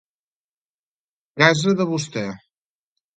Casa de vostè.